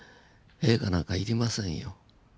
映画なんか要りませんよ。